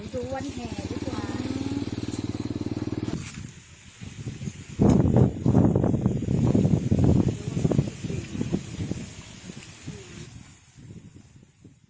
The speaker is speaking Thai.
ดูวันแห่ดีกว่า